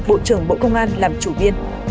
bộ trưởng bộ công an làm chủ biên